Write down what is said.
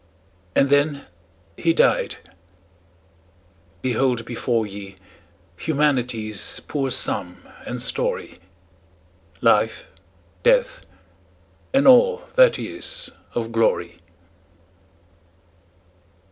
And then he died! Behold before ye Humanity's poor sum and story; Life, Death, and all that is of glory.